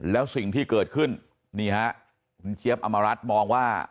แล้วสิ่งที่เกิดขึ้นนี่ฮะคุณเจี๊ยบอำมารัฐมองว่า